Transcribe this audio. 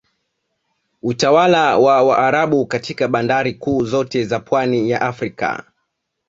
Utawala wa Waarabu katika bandari kuu zote za pwani ya Afrika